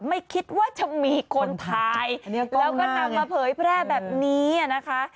ไม่คิดว่าจะมีคนถ่ายแล้วก็นำมาเผยแพร่แบบนี้นะคะ